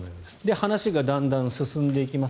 話がだんだん進んでいきます。